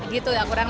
gitu ya kurang lebih